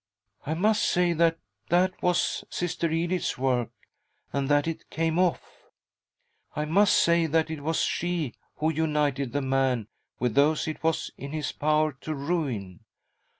I must say that that was Sister Edith's work, and that it came off ; I must say that it was she who united the man with those it was in his power to ruin.